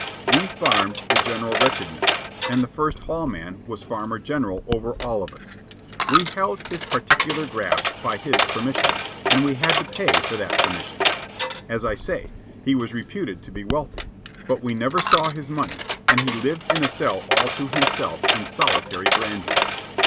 We farmed the general wretchedness, and the First Hall man was Farmer General over all of us. We held our particular grafts by his permission, and we had to pay for that permission. As I say, he was reputed to be wealthy; but we never saw his money, and he lived in a cell all to himself in solitary grandeur.